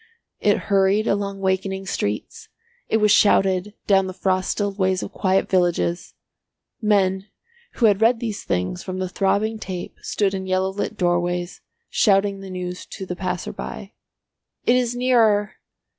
It hurried along wakening streets, it was shouted down the frost stilled ways of quiet villages; men who had read these things from the throbbing tape stood in yellow lit doorways shouting the news to the passersby. "It is nearer."